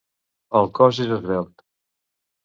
El cos és esvelt.